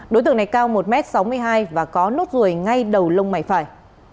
đối tượng này cao một m sáu mươi hai và có nốt ruồi ngay đầu lông mày phải